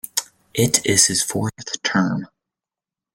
It is his fourth term.